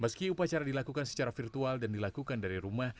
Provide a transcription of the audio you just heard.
meski upacara dilakukan secara virtual dan dilakukan dari rumah